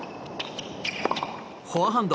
フォアハンド！